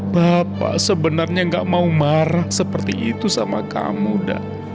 bapak sebenarnya gak mau marah seperti itu sama kamu dak